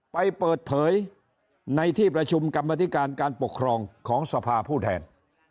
ไปเปิดเผยในที่ประชุมกรรมธิการการปกครองของสภาผู้แทน